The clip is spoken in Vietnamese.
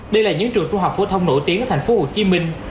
đây là những trường trung học phổ thông nổi tiếng ở thành phố hồ chí minh